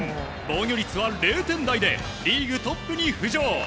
防御率は０点台でリーグトップに浮上。